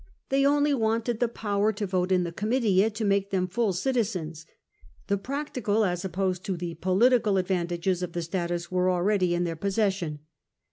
They only wanted the power to vote in the Oomitia to make them full citizens ; the practical as opposed to the political advantages of the status were already in their possession.